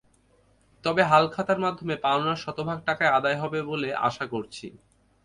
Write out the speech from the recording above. তবে হালখাতার মাধ্যমে পাওনা শতভাগ টাকাই আদায় হবে বলে আশা করছি।